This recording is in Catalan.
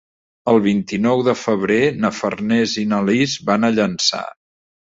El vint-i-nou de febrer na Farners i na Lis van a Llançà.